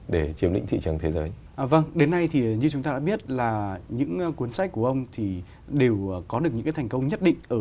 để lý giải tại sao lại